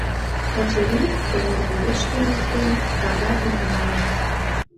Качырий, кынервуеш эҥертен, кагазым нале.